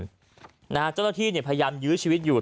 เจ้าหน้าที่พยายามยื้อชีวิตอยู่